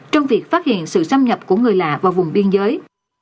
trong việc phát hiện sự xâm nhập của người lạ vào vùng biên giới